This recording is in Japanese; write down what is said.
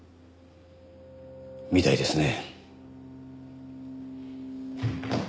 みたいですね。